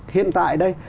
hiện tại đây